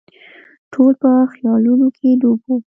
ټول په خیالونو کې ډوب وو.